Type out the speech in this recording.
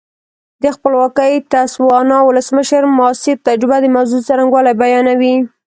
د خپلواکې تسوانا ولسمشر ماسیر تجربه د موضوع څرنګوالی بیانوي.